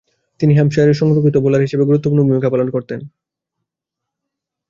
তিনি হ্যাম্পশায়ারের সংরক্ষিত বোলার হিসেবে গুরুত্বপূর্ণ ভূমিকা পালন করতেন।